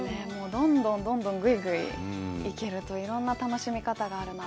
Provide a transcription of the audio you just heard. どんどんどんどん、ぐいぐい行けるといろんな楽しみ方があるなと。